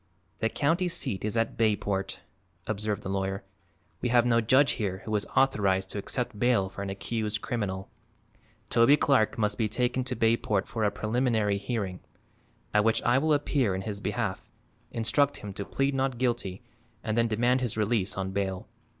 "The county seat is at Bayport," observed the lawyer. "We have no judge here who is authorized to accept bail for an accused criminal. Toby Clark must be taken to Bayport for a preliminary hearing, at which I will appear in his behalf, instruct him to plead not guilty and then demand his release on bail.